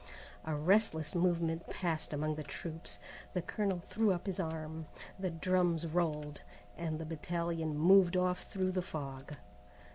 A restless movement passed among the troops, the colonel threw up his arm, the drums rolled, and the battalion moved off through the fog.